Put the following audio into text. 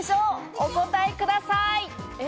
お答えください。